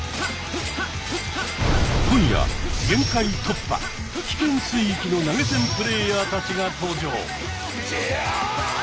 今夜限界突破危険水域の投げ銭プレーヤーたちが登場。